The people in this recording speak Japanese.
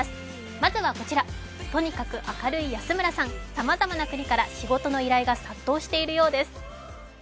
まずはこちら、とにかく明るい安村さん、さまざまな国から仕事の依頼が殺到しているようです。